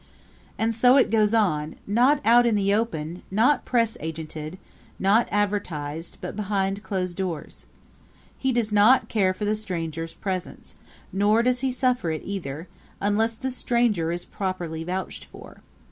And so it goes on not out in the open; not press agented; not advertised; but behind closed doors. He does not care for the stranger's presence, nor does he suffer it either unless the stranger is properly vouched for.